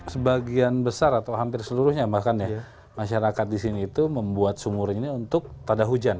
sebagian besar atau hampir seluruhnya bahkan ya masyarakat di sini itu membuat sumur ini untuk tada hujan